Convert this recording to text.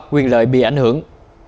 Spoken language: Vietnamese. quyền lợi bị ảnh hưởng